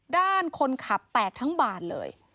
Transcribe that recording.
ด้านคนขับแตกทั้งบานเลย